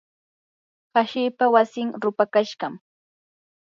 hashipa wasin rupakashqam.